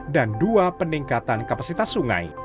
dan dua peningkatan kapasitas sungai